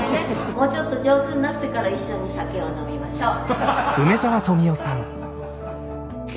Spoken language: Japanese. もうちょっと上手になってから一緒に酒を飲みましょう。